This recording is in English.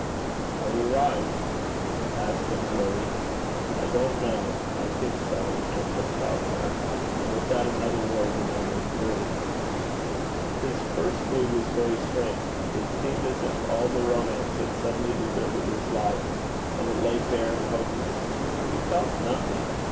'Are we right?' asked De Fleuri. 'I don't know. I think so,' answered Falconer; and without another word the man withdrew. His first mood was very strange. It seemed as if all the romance had suddenly deserted his life, and it lay bare and hopeless. He felt nothing.